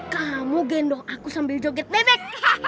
kamu gendong aku sambil joget nenek